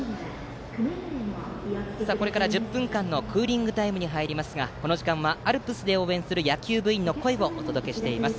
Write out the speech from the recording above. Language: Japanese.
これから１０分間のクーリングタイムですがこの時間はアルプスで応援する野球部員の声をお届けしています。